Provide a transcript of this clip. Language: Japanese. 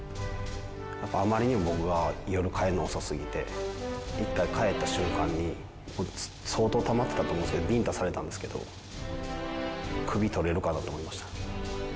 やっぱあまりにも僕が夜帰るの遅すぎて一回帰った瞬間に相当たまってたと思うんですけどビンタされたんですけど首取れるかなと思いました。